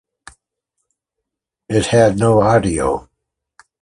It had no audio.